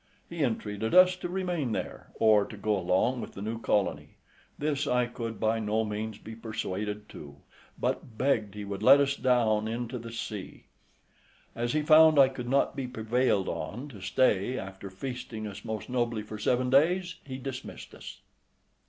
He intreated us to remain there, or to go along with the new colony; this I could by no means be persuaded to, but begged he would let us down into the sea. As he found I could not be prevailed on to stay, after feasting us most nobly for seven days, he dismissed us.